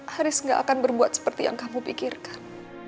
haris gak akan berbuat seperti yang kamu pikirkan